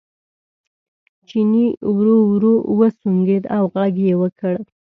چیني ورو ورو وسونګېد او غږ یې وکړ.